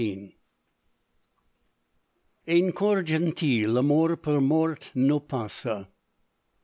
En cor gentil, amor per mort no passa.